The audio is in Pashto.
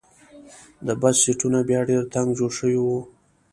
د بس سیټونه بیا ډېر تنګ جوړ شوي وو.